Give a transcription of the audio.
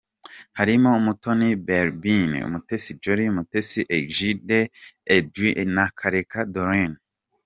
Harimo Mutoni Balbine, Mutesi Joly, Mutesi Eduige na Karake Doreen.